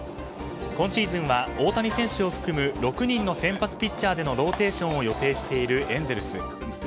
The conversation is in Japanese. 今シーズンは大谷選手を含む６人での先発ピッチャーでのローテーションを予定しているエンゼルス。